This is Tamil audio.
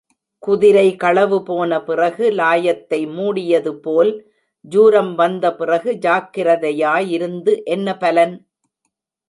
குதிரை களவுபோன பிறகு லாயத்தை மூடியது போல், ஜுரம் வந்த பிறகு ஜாக்கிரதையாயிருந்து என்ன பலன்?